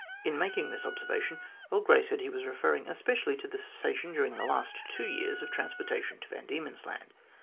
In making this observation, Earl Grey said he was referring especially to the cessation, during at least two years, of transportation to Van Diemen's Land.